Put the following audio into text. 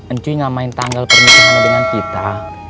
encu ngamain tanggal pernikahan dengan kita